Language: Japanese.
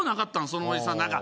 そのおじさん